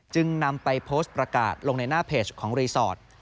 จึงนำไปโพสต์ประกาศลงในหน้าเพจของรีสอร์ท